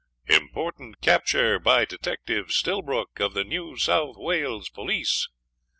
IMPORTANT CAPTURE BY DETECTIVE STILLBROOK, OF THE NEW SOUTH WALES POLICE.